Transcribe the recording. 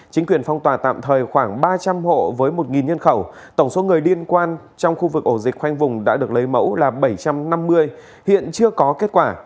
chính quyền phong tỏa tạm thời khoảng ba trăm linh hộ với một nhân khẩu tổng số người liên quan trong khu vực ổ dịch khoanh vùng đã được lấy mẫu là bảy trăm năm mươi hiện chưa có kết quả